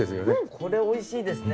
これ美味しいですね。